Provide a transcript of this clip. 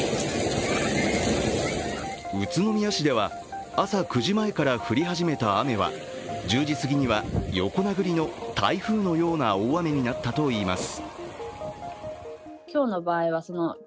宇都宮市では朝９時前から降り始めた雨は１０時すぎには横殴りの台風のような大雨になったといいます。